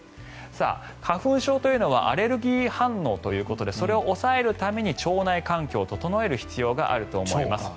花粉症というのはアレルギー反応ということでそれを抑えるために腸内環境を整える必要があると思います。